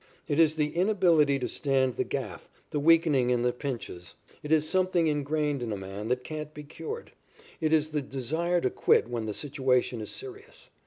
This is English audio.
It is the inability to stand the gaff, the weakening in the pinches. It is something ingrained in a man that can't be cured. It is the desire to quit when the situation is serious.